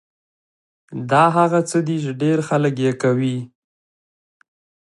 دا هغه څه دي چې ډېر خلک يې کوي.